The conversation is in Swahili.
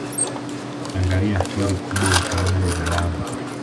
Ukiangalia stori kubwa utaona jina langu